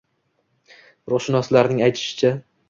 Ruhshunoslarning aytishicha